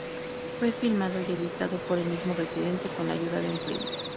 Fue filmado y editado por el mismo Residente, con la ayuda de un primo.